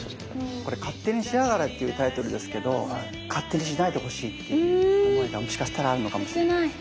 これ「勝手にしやがれ」っていうタイトルですけど勝手にしないでほしいっていう思いがもしかしたらあるのかもしれないですね。